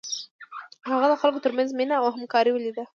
هغه د خلکو تر منځ مینه او همکاري ولیده.